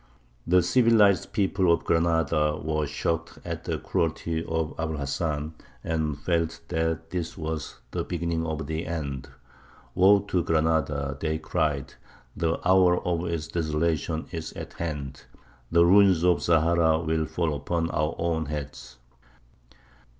The civilized people of Granada were shocked at the cruelty of Abu l Hasan, and felt that this was the beginning of the end. "Woe to Granada!" they cried. "The hour of its desolation is at hand. The ruins of Zahara will fall upon our own heads!"